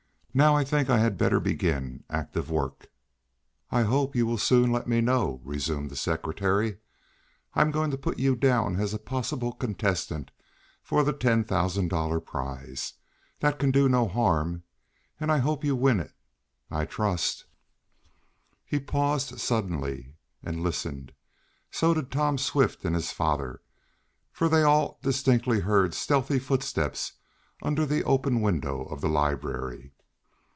Now I think I had better begin active work." "I hope you will soon let me know," resumed the secretary. "I'm going to put you down as a possible contestant for the ten thousand dollar prize. That can do no harm, and I hope you win it. I trust " He paused suddenly, and listened. So did Tom Swift and his father, for they all distinctly heard stealthy footsteps under the open windows of the library.